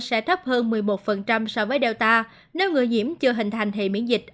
sẽ thấp hơn một mươi một so với delta nếu người nhiễm chưa hình thành hệ miễn dịch